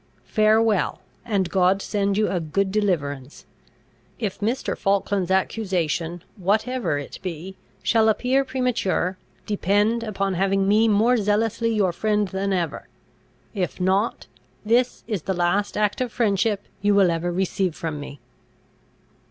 Farewell; and God send you a good deliverance! If Mr. Falkland's accusation, whatever it be, shall appear premature, depend upon having me more zealously your friend than ever. If not, this is the last act of friendship you will ever receive from me!"